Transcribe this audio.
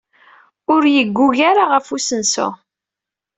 Ur yeggug ara ɣef usensu.